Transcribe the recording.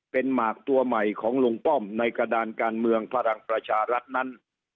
เป็นหมากตัวใหม่ของลุงป้อมในกระดานการเมืองพลังประชารัฐนั้น